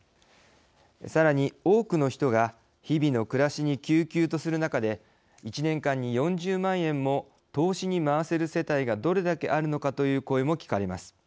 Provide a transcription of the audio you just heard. さらに多くの人が日々の暮らしにきゅうきゅうとする中で１年間に４０万円も投資に回せる世帯がどれだけあるのかという声も聞かれます。